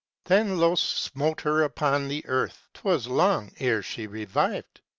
265 Then Los smote her upon the earth ; 'twas long ere she revived.